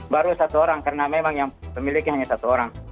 baru satu orang karena memang yang pemiliknya hanya satu orang